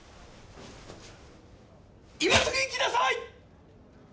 今すぐ行きなさい！